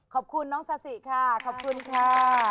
ขอบคุณน้องซาสิค่ะขอบคุณค่ะ